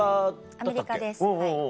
アメリカですはい。